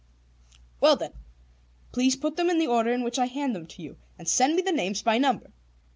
"Well then, please put them in the order in which I hand them to you, and send me the names by number.